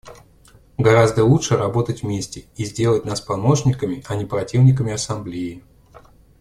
Гораздо лучше работать вместе и сделать нас помощниками, а не противниками Ассамблеи.